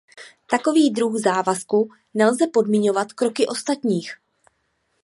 Takový druh závazku nelze podmiňovat kroky ostatních.